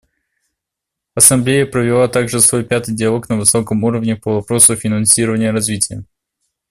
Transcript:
Ассамблея провела также свой пятый диалог на высоком уровне по вопросу о финансировании развития.